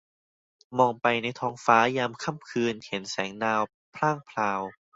มองไปในท้องฟ้ายามค่ำคืน เห็นแสงดาวพร่างพราว